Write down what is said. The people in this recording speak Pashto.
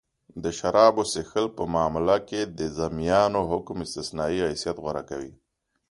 د شرابو څښل په معامله کښي د ذمیانو حکم استثنايي حیثت غوره کوي.